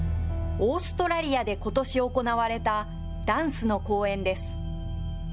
オーストラリアでことし行われた、ダンスの公演です。